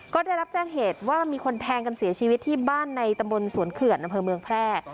ก็ได้รับแจ้งเหตุว่ามีคนแทงกันเสียชีวิตที่บ้านในตำบลสวนเขื่อนอำเภอเมืองแพร่